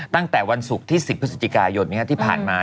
ตั้งแต่วันศุกร์ที่๑๐พฤศจิกายนที่ผ่านมา